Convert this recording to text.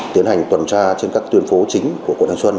tiến hành tuần tra trên các tuyến phố chính của quận thanh xuân